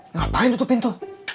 ngapain tutup pintu